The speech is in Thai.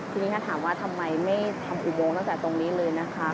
ทีนี้ถ้าถามว่าทำไมไม่ทำอุโมงตั้งแต่ตรงนี้เลยนะคะ